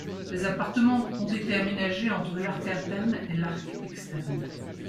Les appartements ont été aménagés entre l'arc interne et l'arc externe.